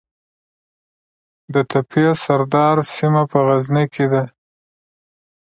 د تپې سردار سیمه په غزني کې ده